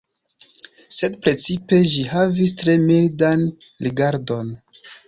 Sed precipe, ĝi havis tre mildan rigardon.